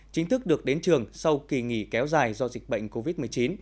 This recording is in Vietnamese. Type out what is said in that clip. chính thức được đến trường sau kỳ nghỉ kéo dài do dịch bệnh covid một mươi chín